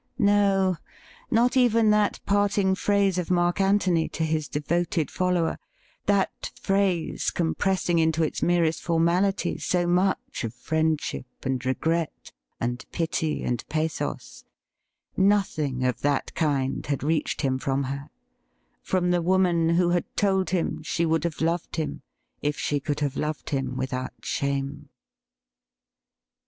No; not even that parting phrase of Mark Antony to his devoted follower, that phrase compressing into its merest formality so much of friendship and regret, and pity and pathos : nothing of that kind had reached him from her — from the woman who had told him she would have loved him if she could have loved him without shame.